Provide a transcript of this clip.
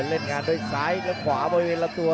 เล่นงานด้วยซ้ายและขวาบริเวณลำตัว